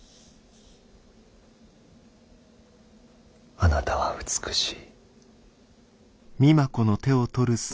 あなたは美しい。